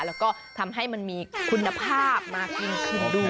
แล้วก็ทำให้มันมีคุณภาพมากยิ่งขึ้นด้วย